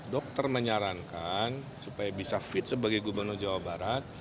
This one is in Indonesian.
dokter menyarankan supaya bisa fit sebagai gubernur jawa barat